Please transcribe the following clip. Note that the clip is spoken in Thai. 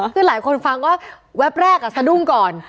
คือหลายคนฟังก็แวบแรกสะดุ้งก่อน